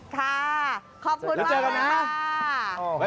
ขอบคุณมากเลยค่ะ